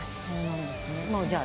そうなんですね。